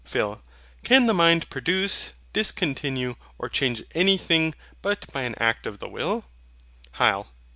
PHIL. Can the mind produce, discontinue, or change anything, but by an act of the will? HYL.